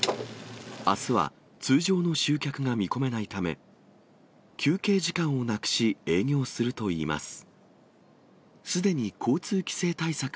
あすは通常の集客が見込めないため、休憩時間をなくし営業するといいます。